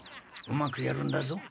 うまくやるんだぞ。